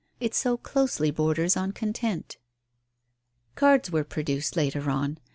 It so closely borders on content. Cards were produced later on. Mr.